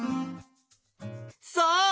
そう！